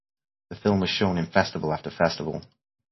The film was shown in festival after festival.